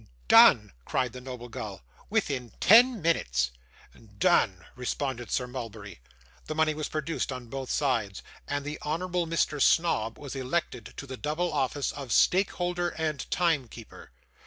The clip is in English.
'Done!' cried the noble gull. 'Within ten minutes.' 'Done!' responded Sir Mulberry. The money was produced on both sides, and the Honourable Mr. Snobb was elected to the double office of stake holder and time keeper.